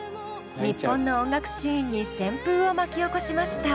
日本の音楽シーンに旋風を巻き起こしました。